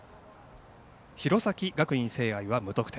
弘前学院聖愛は無得点。